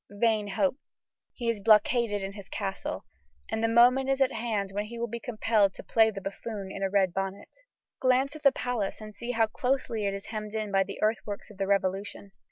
Vain hope! He is blockaded in his castle, and the moment is at hand when he will be compelled to play the buffoon in a red bonnet. Glance at the palace and see how closely it is hemmed in by the earthworks of the Revolution.